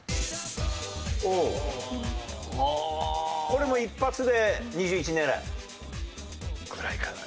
これもう一発で２１狙い？ぐらいかな。